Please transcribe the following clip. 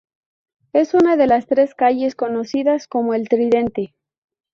Es una de las tres calles conocidas como el Tridente.